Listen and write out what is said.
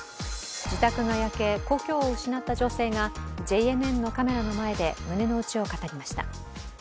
自宅が焼け、故郷を失った女性がＪＮＮのカメラの前で胸の内を語りました。